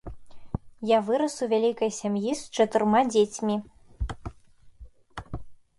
Я вырас у вялікай сям'і з чатырма дзецьмі.